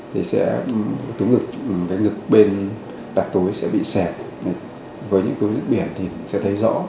vì vậy túi ngực bên đặt túi sẽ bị sẹt